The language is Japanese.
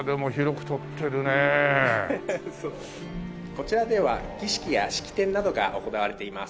こちらでは儀式や式典などが行われています。